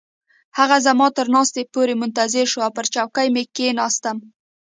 هغه زما تر ناستې پورې منتظر شو او پر چوکۍ مې کښیناستم.